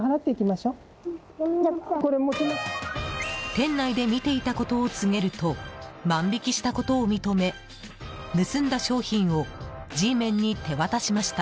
店内で見ていたことを告げると万引きしたことを認め盗んだ商品をＧメンに手渡しました。